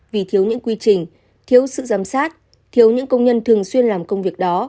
vì thiếu những quy trình thiếu sự giám sát thiếu những công nhân thường xuyên làm công việc đó